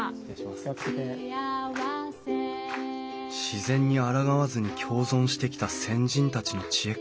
自然にあらがわずに共存してきた先人たちの知恵か。